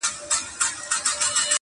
نسته له ابۍ سره شرنګی په الاهو کي.!